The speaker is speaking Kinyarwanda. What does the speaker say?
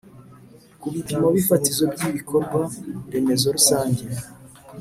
ku bipimo fatizo by ibikorwa remezo rusange.